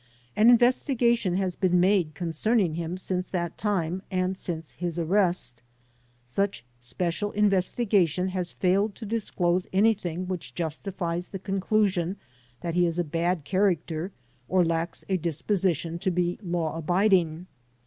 An investigation has been made concerning him since that time and since his arrest. Such special investigation has failed to disclose anything which justifies the conclusion that he is a bad character or lacks a disposition to be law abiding.